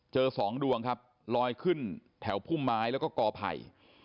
สองดวงครับลอยขึ้นแถวพุ่มไม้แล้วก็กอไผ่